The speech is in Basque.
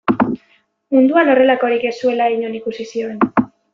Munduan horrelakorik ez zuela inon ikusi zioen.